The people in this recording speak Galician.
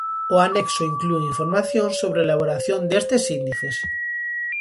O Anexo inclúe información sobre a elaboración destes índices.